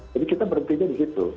jadi kita berhenti di situ